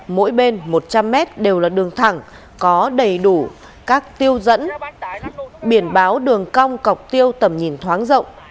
mỗi bên một trăm linh mét đều là đường thẳng có đầy đủ các tiêu dẫn biển báo đường cong cọc tiêu tầm nhìn thoáng rộng